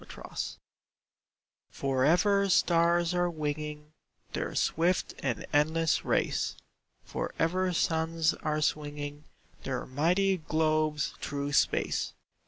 ACTION For ever stars are winging Their swift and endless race; For ever suns are swinging Their mighty globes through space.